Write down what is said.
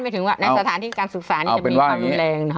ถึงว่าในสถานที่การศุกษานี้จะมีความแรง